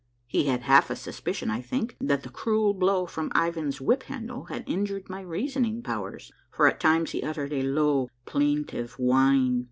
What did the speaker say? He had half a suspicion, I think, that that cruel blow from Ivan's whip handle had injured my reasoning powers, for at times he uttered a low, plaintive whine.